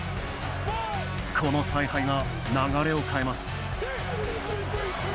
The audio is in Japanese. この采配が流れを変えます。